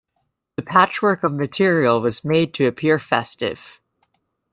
The patchwork of material was made to appear festive.